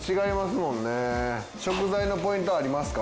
食材のポイントありますか？